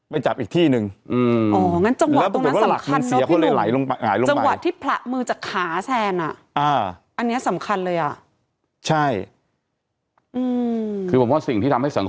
ไปจับอีกที่นึง